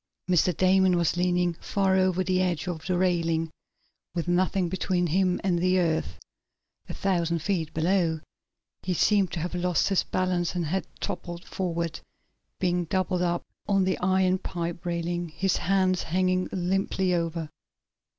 Mr. Damon was leaning far over the edge of the railing, with nothing between him and the earth a thousand feet below. He seemed to have lost his balance and had toppled forward, being doubled up on the iron pipe railing, his hands hanging limply over.